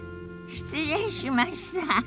失礼しました。